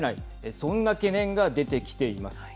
そんな懸念が出てきています。